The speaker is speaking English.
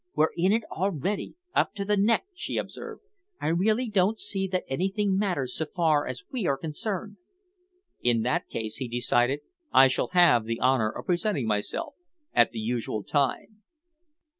"We're in it already, up to the neck," she observed. "I really don't see that anything matters so far as we are concerned." "In that case," he decided, "I shall have the honour of presenting myself at the usual time."